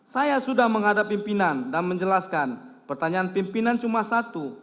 saya sudah menghadap pimpinan dan menjelaskan pertanyaan pimpinan cuma satu